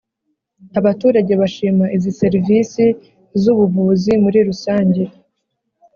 Abaturage bashima izi serivisi z’ubuvuzi muri rusange